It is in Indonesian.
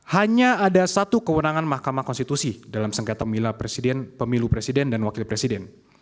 hanya ada satu kewenangan mahkamah konstitusi dalam sengketa mila presiden pemilu presiden dan wakil presiden